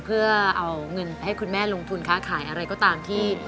เพื่อเอาเงินให้คุณแม่ลงทุนค้าขายอะไรก็ตามที่